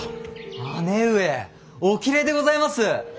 姉上おきれいでございます。